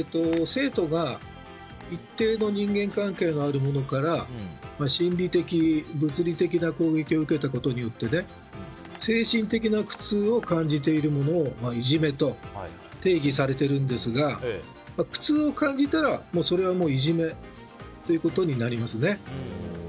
生徒が一定の人間関係がある者から心理的、物理的な攻撃を受けたことによって精神的な苦痛を感じているものをいじめと定義されているんですが苦痛を感じたらそれは、もういじめということになりますね。